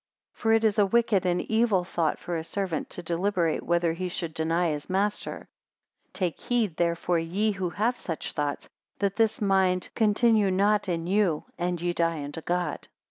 238 For it is a wicked and evil thought for a servant to deliberate whether he should deny his master: Take heed therefore ye who have such thoughts, that this mind Pontinrie not in you, and ye die unto God.